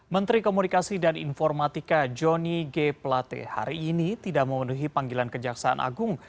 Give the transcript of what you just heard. menteri komunikasi dan informatika johnny g pelate hari ini tidak memenuhi panggilan kejaksaan agung